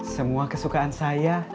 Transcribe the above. semua kesukaan saya